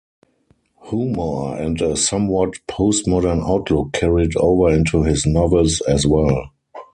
Humor and a somewhat postmodern outlook carried over into his novels as well.